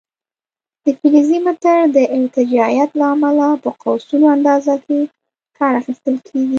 د فلزي متر د ارتجاعیت له امله په قوسونو اندازه کې کار اخیستل کېږي.